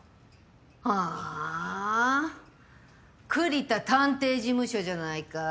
はあ栗田探偵事務所じゃないかい。